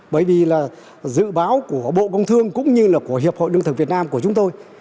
bởi vì dự báo của bộ công thương cũng như hiệp hội lương thực việt nam của chúng tôi